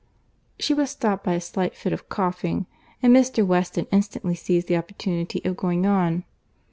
She was stopped by a slight fit of coughing, and Mr. Weston instantly seized the opportunity of going on.